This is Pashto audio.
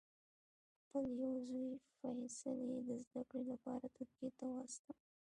خپل یو زوی فیصل یې د زده کړې لپاره ترکیې ته واستاوه.